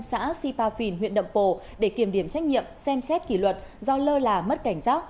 xã sipafin huyện nậm pồ để kiểm điểm trách nhiệm xem xét kỷ luật do lơ là mất cảnh giác